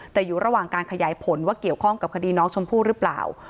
แต่อยู่ระหว่างการขยายผลว่าเกี่ยวข้องกับคดีน้องชมพู่หรือเปล่า